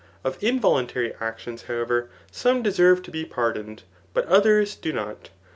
Of involuntary actions, however, some deserve to be par doned, but others do not.